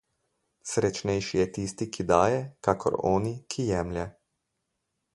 Srečnejši je tisti, ki daje, kakor oni, ki jemlje.